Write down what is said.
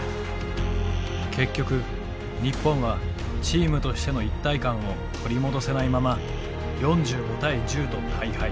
結局日本はチームとしての一体感を取り戻せないまま４５対１０と大敗。